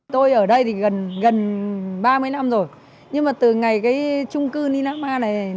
tôi ở đây thì gần ba mươi năm rồi nhưng mà từ ngày cái trung cư lì lama này